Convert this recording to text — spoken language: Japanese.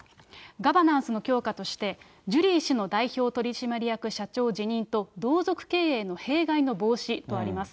ガバナンスの強化として、ジュリー氏の代表取締役社長辞任と同族経営の弊害の防止とあります。